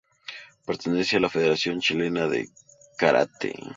Pertenece a la Federación Chilena de Karate.